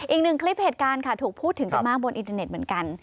อีกหนึ่งคลิปเหตุการณ์ค่ะถูกพูดถึงกันมากบนอินเทอร์เน็ตเหมือนกัน